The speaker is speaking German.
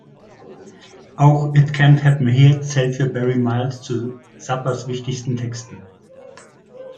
Auch „It Can’t Happen Here“ zählt für Barry Miles zu „Zappas wichtigsten Texten“.